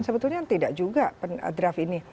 sebetulnya tidak juga draft ini